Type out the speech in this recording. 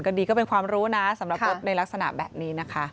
ก็ดีก็เป็นความรู้นะสำหรับรถในลักษณะแบบนี้นะคะ